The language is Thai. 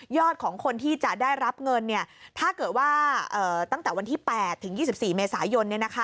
ของคนที่จะได้รับเงินถ้าเกิดว่าตั้งแต่วันที่๘ถึง๒๔เมษายน